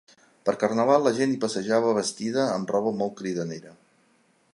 Per carnaval la gent hi passejava vestida amb roba molt cridanera.